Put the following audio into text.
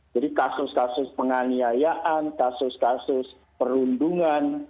jadi kasus kasus penganiayaan kasus kasus perundungan